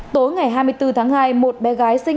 tối ngày hai mươi bốn tháng hai một bé gái sinh